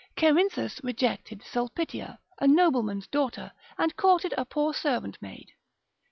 Cerinthus rejected Sulpitia, a nobleman's daughter, and courted a poor servant maid.